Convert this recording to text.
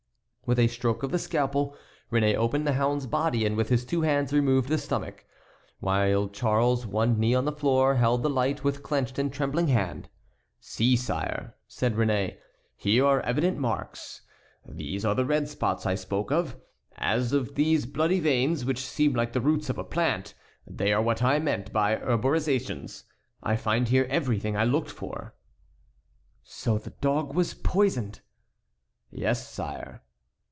With a stroke of the scalpel Réné opened the hound's body and with his two hands removed the stomach, while Charles, one knee on the floor, held the light with clenched and trembling hand. "See, sire," said Réné; "here are evident marks. These are the red spots I spoke of; as to these bloody veins, which seem like the roots of a plant, they are what I meant by herborizations. I find here everything I looked for." "So the dog was poisoned?" "Yes, sire."